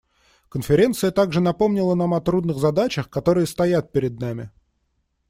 Конференция также напомнила нам о трудных задачах, которые стоят перед нами.